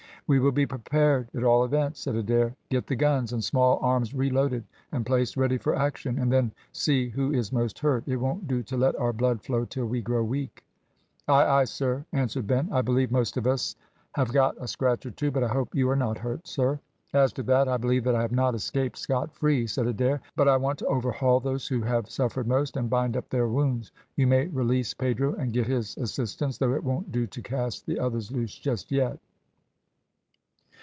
"We will be prepared at all events," said Adair. "Get the guns and small arms reloaded and placed ready for action, and then see who is most hurt. It won't do to let our blood flow till we grow weak." "Ay! ay! sir," answered Ben. "I believe most of us have got a scratch or two, but I hope you are not hurt, sir." "As to that, I believe that I have not escaped scot free," said Adair; "but I want to overhaul those who have suffered most, and bind up their wounds. You may release Pedro, and get his assistance, though it won't do to cast the others loose just yet."